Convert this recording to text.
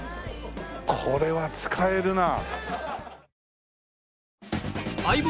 これは使えるな。